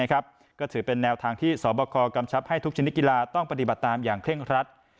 ก็ถือเป็นแนวทางที่สบคกำชับให้ทุกชนิดกีฬาต้องปฏิบัติตามอย่างเคร่งครัด